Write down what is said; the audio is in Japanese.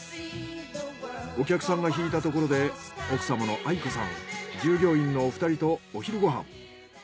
お客さんがひいたところで奥様の愛子さん従業員のお二人とお昼ご飯。